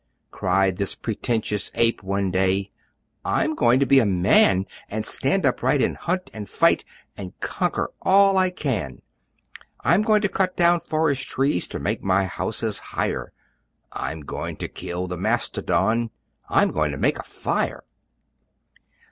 Cried this pretentious Ape one day, "I'm going to be a Man! And stand upright, and hunt, and fight, And conquer all I can! I'm going to cut down forest trees, To make my houses higher! I'm going to kill the Mastodon! I'm going to make a fire!"